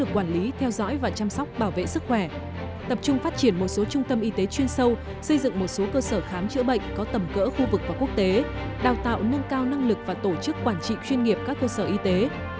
quản lý theo dõi và chăm sóc bảo vệ sức khỏe tập trung phát triển một số trung tâm y tế chuyên sâu xây dựng một số cơ sở khám chữa bệnh có tầm cỡ khu vực và quốc tế đào tạo nâng cao năng lực và tổ chức quản trị chuyên nghiệp các cơ sở y tế